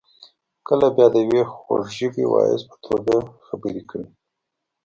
کله بیا د یوې خوږ ژبې واعظ په توګه خبرې کوي.